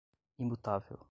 imutável